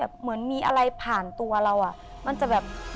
อะไรผ่านตัวเรามันจะแบบ